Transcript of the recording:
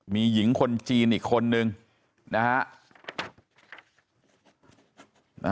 มีหญิงคนจีนอีกคนนึงนะฮะ